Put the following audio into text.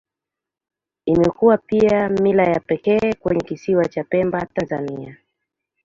Imekuwa pia mila ya pekee kwenye Kisiwa cha Pemba, Tanzania.